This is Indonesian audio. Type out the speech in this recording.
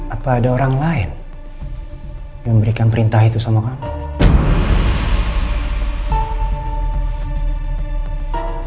apa ada orang lain yang memberikan perintah itu sama kamu